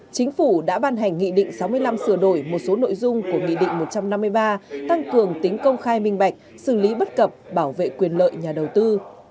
chính phủ đã ban hành nghị định sáu mươi năm sửa đổi một số nội dung của nghị định một trăm năm mươi ba tăng cường tính công khai minh bạch xử lý bất cập bảo vệ quyền lợi nhà đầu tư